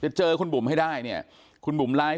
เจอคุณบุ๋มให้ได้เนี่ยคุณบุ๋มไลฟ์